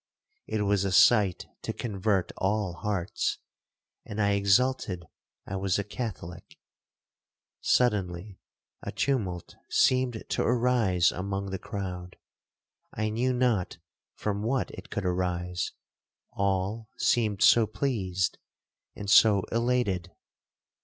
—It was a sight to convert all hearts, and I exulted I was a Catholic. Suddenly a tumult seemed to arise among the crowd—I knew not from what it could arise—all seemed so pleased and so elated.